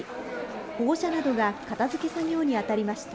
保護者などが片づけ作業に当たりました。